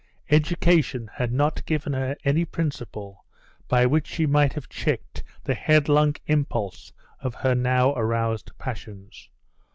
Education had not given her any principle by which she might have checked the headlong impulse of her now aroused passions.